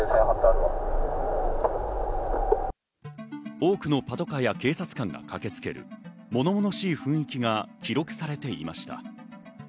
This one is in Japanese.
多くのパトカーや警察官が駆けつけ、物々しい雰囲気が記録されていました。